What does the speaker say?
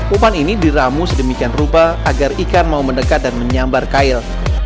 umpan ini diramu sedemikian rupa agar ikan mau mendekat dan menyambar kail